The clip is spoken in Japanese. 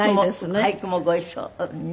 俳句もご一緒にね。